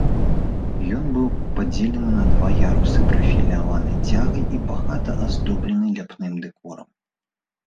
Ён быў падзелены на два ярусы прафіляванай цягай і багата аздоблены ляпным дэкорам.